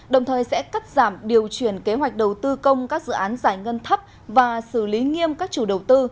đồng thời sẽ cắt giảm điều chuyển kế hoạch đầu tư công các dự án giải ngân thấp và xử lý nghiêm các chủ đầu tư